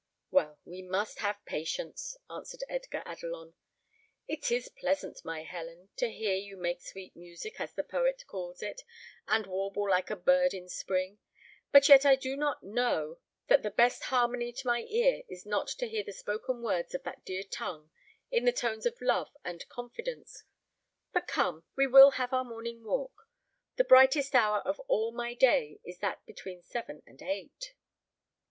"Well, we must have patience," answered Edgar Adelon. "It is pleasant, my Helen, to hear you make sweet music, as the poet calls it, and warble like a bird in spring; but yet I do not know that the best harmony to my ear is not to hear the spoken words of that dear tongue in the tones of love and confidence. But come, we will have our morning walk; the brightest hour of all my day is that between seven and eight."